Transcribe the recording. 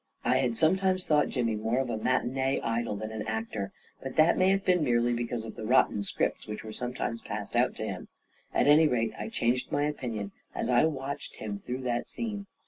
I had sometimes thought Jimmy more of a mat* inee idol than an actor, but that may have been merely because of the rotten scripts which were sometimes passed out to him ; at any rate, I changed my opinion as I watched him through that scene.